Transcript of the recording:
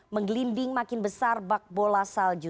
menggelinding makin besar bak bola salju